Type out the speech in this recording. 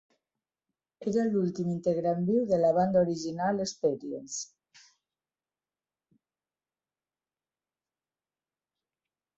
Era l'últim integrant viu de la banda original Experience.